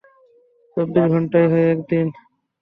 চব্বিশ ঘন্টায় হয় একদিন।